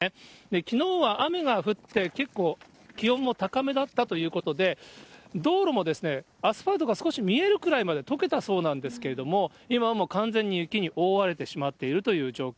きのうは雨が降って、結構気温も高めだったということで、道路もアスファルトが少し見えるくらいまでとけたそうなんですけれども、今はもう完全に雪に覆われてしまっているという状況。